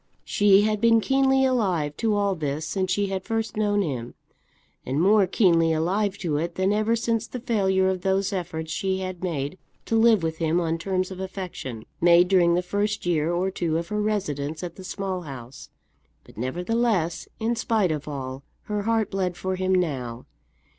She had been keenly alive to all this since she had first known him, and more keenly alive to it than ever since the failure of those efforts she had made to live with him on terms of affection, made during the first year or two of her residence at the Small House. But, nevertheless, in spite of all, her heart bled for him now.